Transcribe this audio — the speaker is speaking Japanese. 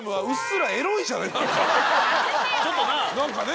ちょっとな。何かね。